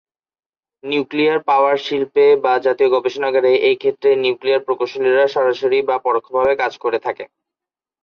Nuclear power শিল্পে বা জাতীয় গবেষণাগারে এই ক্ষেত্রের নিউক্লিয়ার প্রকৌশলীরা সরাসরি বা পরোক্ষভাবে কাজ করে থাকে।